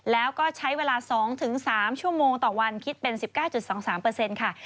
แล้วก็ใช้เวลา๒๓ชั่วโมงต่อวันคิดเป็น๑๙๒๓ค่ะ